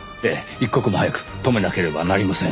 一刻も早く止めなければなりません。